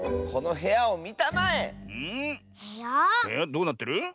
へやどうなってる？